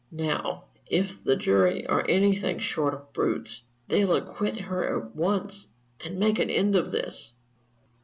Now, if the jury are anything short of brutes, they'll acquit her at once and make an end of this."